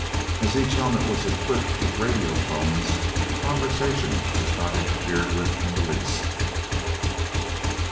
As each helmet was equipped with radiophones, conversation was not interfered with in the least.